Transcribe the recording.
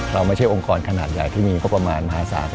เราไม่ใช่องค์กรขนาดใหญ่ที่มีงบประมาณมหาศาล